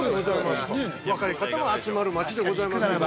◆若い方も集まるまちでございますけど。